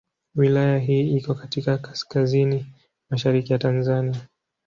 Wilaya hii iko katika kaskazini mashariki ya Tanzania.